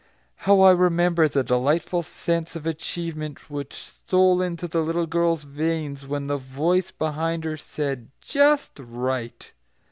How I remember the delightful sense of achievement which stole into the little girl's veins when the voice behind her said "just right."